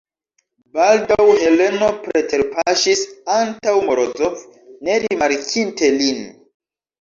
Baldaŭ Heleno preterpaŝis antaŭ Morozov, ne rimarkinte lin.